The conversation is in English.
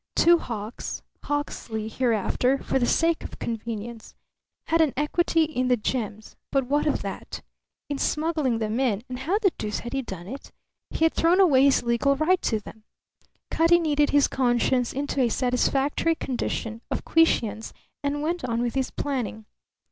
Two Hawks Hawksley hereafter, for the sake of convenience had an equity in the gems; but what of that? In smuggling them in and how the deuce had he done it? he had thrown away his legal right to them. Cutty kneaded his conscience into a satisfactory condition of quiescence and went on with his planning.